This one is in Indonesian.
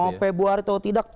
mau februari atau tidak